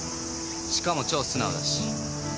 しかも超素直だし。